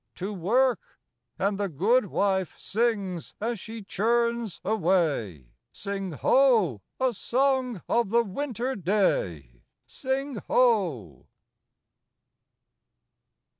to work!" And the goodwife sings as she churns away Sing, Ho, a song of the winter day! Sing, Ho!